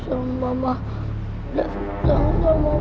bahkan menurut pendapat kami